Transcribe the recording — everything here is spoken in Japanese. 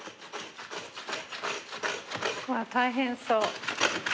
うわ大変そう。